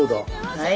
はい。